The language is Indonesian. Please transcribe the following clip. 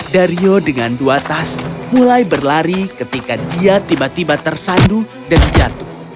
dario dengan dua tas mulai berlari ketika dia tiba tiba tersandung dan jatuh